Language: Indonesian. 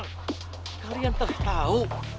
kalian tahu di mana markasnya skobar